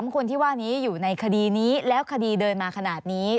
คนที่ว่านี้อยู่ในคดีนี้แล้วคดีเดินมาขนาดนี้